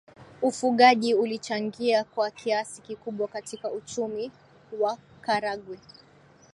Ufugaji ulichangia kwa kiasi kikubwa katika Uchumi wa Karagwe